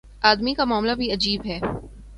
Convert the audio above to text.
آدمی کا معاملہ بھی عجیب ہے۔